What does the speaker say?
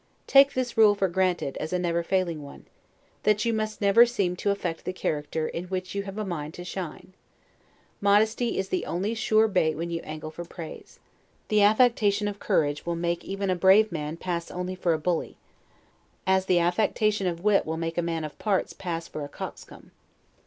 Take this rule for granted, as a never failing one: That you must never seem to affect the character in which you have a mind to shine. Modesty is the only sure bait when you angle for praise. The affectation of courage will make even a brave man pass only for a bully; as the affectation of wit will make a man of parts pass for a coxcomb.